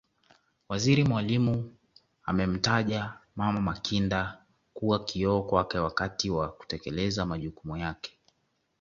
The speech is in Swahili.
Waziri Mwalimu amemtaja Mama Makinda kuwa kioo kwake wakati wa kutekeleza majukumu yake